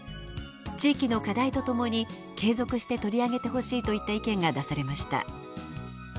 地域の課題とともに継続して取り上げてほしい」といった意見が出されました。